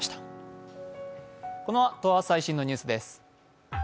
このあとは最新のニュースです。